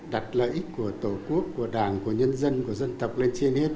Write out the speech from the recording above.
đặt lợi ích của tổ quốc của đảng của nhân dân của dân tộc lên trên hết